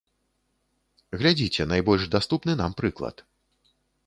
Глядзіце, найбольш даступны нам прыклад.